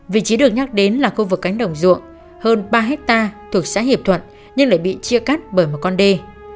vị trí được nhắc đến là khu vực cánh đồng ruộng hơn ba hectare thuộc xã hiệp thuận nhưng lại bị chia cắt bởi một con đê